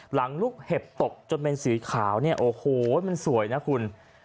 หลังลูกเห็บตกจนเป็นสีขาวเนี่ยโอ้โหมันสวยนะคุณ